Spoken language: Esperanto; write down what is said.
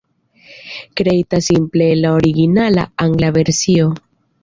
Kreita simple el la originala angla versio.